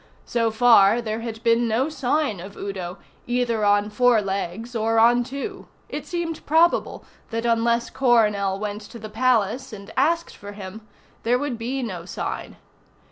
So far there had been no sign of Udo, either on four legs or on two; it seemed probable that unless Coronel went to the Palace and asked for him, there would be no sign.